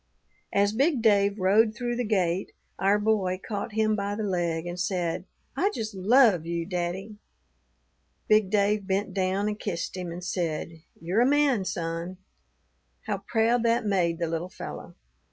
"As big Dave rode through the gate, our boy caught him by the leg and said, 'I just love you, daddy.' Big Dave bent down and kissed him, and said, 'You're a man, son.' How proud that made the little fellow!